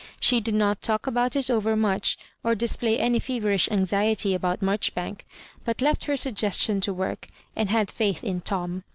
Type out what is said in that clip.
She did not talk about it* over much or display any feverish anxiety about Marchbank, but left her sugges tion to work, and had faith in Tom.